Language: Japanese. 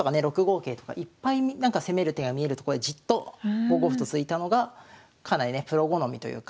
６五桂とかいっぱい攻める手が見えるとこでじっと５五歩と突いたのがかなりねプロ好みというか。